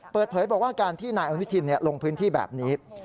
เปิดเผยบอกว่าการที่นายอนุทินลงพื้นที่แบบนี้